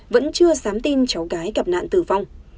vẫn chưa dám tin cháu gái gặp nạn tử vong